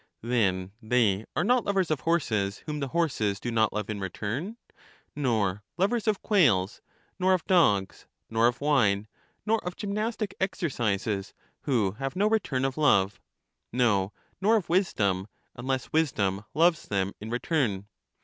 Then they are not lovers of horses, whom the horses do not love in return; nor lovers of quails, nor of dogs, nor of wine, nor of gymnastic exercises, who have no return of love; no, nor of wisdom, unless wisdom loves them in return.